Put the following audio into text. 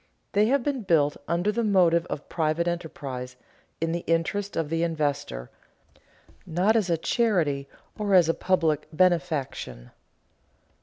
They have been built under the motive of private enterprise, in the interest of the investor, not as a charity or as a public benefaction.